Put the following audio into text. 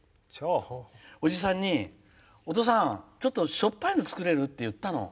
おじさんに、お父さんちょっと、しょっぱいの作れる？って言ったの。